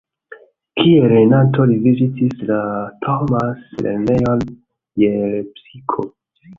Kiel lernanto li vizitis la Thomas-lernejon je Lepsiko.